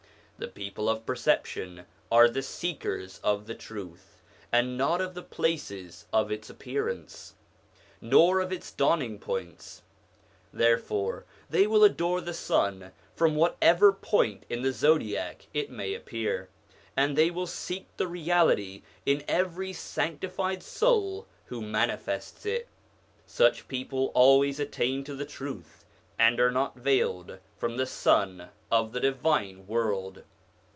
The people of perception are the seekers of the Truth, and not of the places of its appearance, nor of its dawning points; therefore they will adore the Sun from whatever point in the zodiac it may appear, and they will seek the Reality in every Sanctified Soul who manifests it. Such people always attain to the truth, and are not veiled from the Sun of the Divine World.